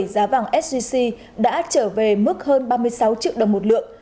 giá vàng sgc đã trở về mức hơn ba mươi sáu triệu đồng một lượng